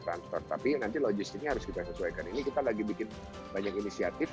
transfer tapi nanti logistiknya harus kita sesuaikan ini kita lagi bikin banyak inisiatif